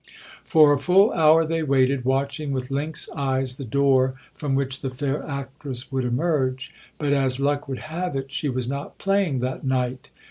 For a full hour they waited, watching with lynx eyes the door from which the fair actress would emerge; but, as luck would have it, she was not playing that night.